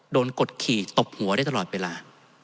กดขี่ตบหัวได้ตลอดเวลา